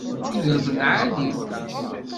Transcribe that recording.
D tudert n lɛali.